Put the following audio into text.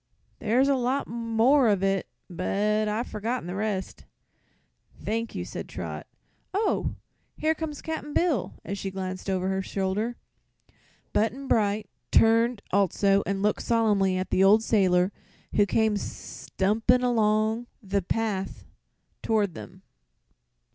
"There's a lot more of it, but I've forgotten the rest." "Thank you," said Trot. "Oh, here comes Cap'n Bill!" as she glanced over her shoulder. Button Bright turned also and looked solemnly at the old sailor who came stumping along the path toward them.